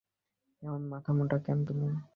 এমন মাথামোটা কেন তুমি?